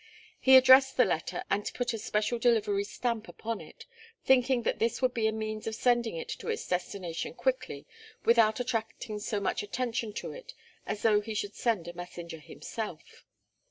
He addressed the letter and put a special delivery stamp upon it, thinking that this would be a means of sending it to its destination quickly without attracting so much attention to it as though he should send a messenger himself.